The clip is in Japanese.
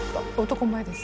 男前です。